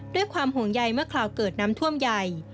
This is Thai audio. ด้วยความห่วงใยเมื่อคราวเกิดน้ำท่วมใหญ่